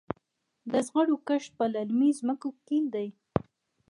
د زغرو کښت په للمي ځمکو کې دی.